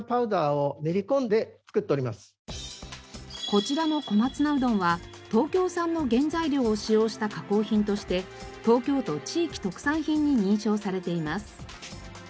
こちらの小松菜うどんは東京産の原材料を使用した加工品として東京都地域特産品に認証されています。